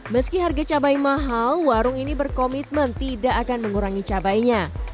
meski harga cabai mahal warung ini berkomitmen tidak akan mengurangi cabainya